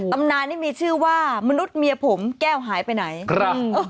ตำนานนี่มีชื่อว่ามนุษย์เมียผมแก้วหายไปไหนครับ